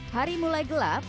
hari mulai gelap